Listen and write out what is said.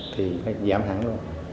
thì giảm hẳn rồi